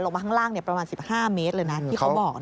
ข้างล่างประมาณ๑๕เมตรเลยนะที่เขาบอก